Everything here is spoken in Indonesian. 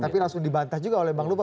tapi langsung dibantah juga oleh bang luba